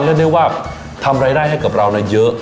ก็ได้ว่าทำรายได้ให้กับเราเนี่ยเยอะ